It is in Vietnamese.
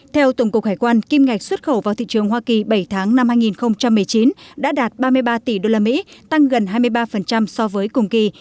theo tổng cục hải quan kim ngạch xuất khẩu vào thị trường hoa kỳ bảy tháng năm hai nghìn một mươi chín đã đạt ba mươi ba tỷ usd tăng gần hai mươi ba so với cùng kỳ